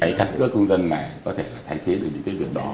cái căn cước công dân này có thể thay thế được những cái việc đó